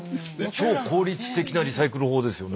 超効率的なリサイクル法ですよね。